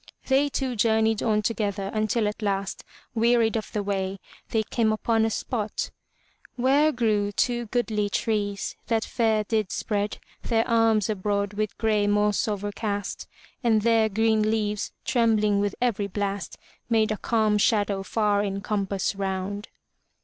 They two journeyed on together until at last, wearied of the way, they came upon a spot JVhere grew two goodly trees, that fair did spread Their arms abroad with gray moss overcast; And their green leaves, trembling with every blast. Made a calm shadow far in compass round.